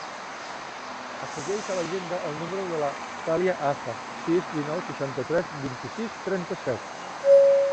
Afegeix a l'agenda el número de la Thàlia Aja: sis, dinou, seixanta-tres, vint-i-sis, trenta-set.